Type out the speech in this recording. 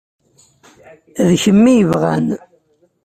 D kemm i yebɣan.